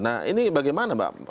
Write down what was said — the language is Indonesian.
nah ini bagaimana mbak